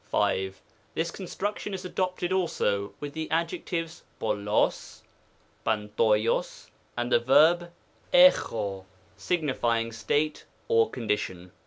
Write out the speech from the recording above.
5. This construction is adopted also with the ad jectives .ToPcAo^, TiavToloZy and the verb tx(Oj signifying state or condition.